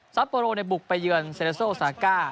ซัปโปโรในบุกไปเยือนเซเลโซโอสาคา